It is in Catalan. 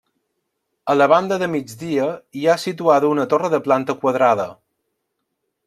A la banda de migdia hi ha situada una torre de planta quadrada.